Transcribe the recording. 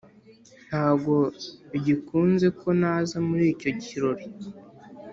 ntago bigikunze ko naza muri icyo kirori